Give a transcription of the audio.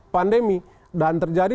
pandemi dan terjadi